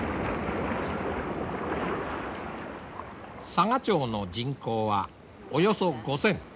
佐賀町の人口はおよそ５，０００。